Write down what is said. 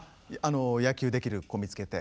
野球できる子見つけて。